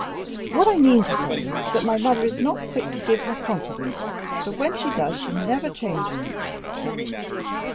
"What I mean to say is, that my mother is not quick to give her confidence, but when she does she never changes."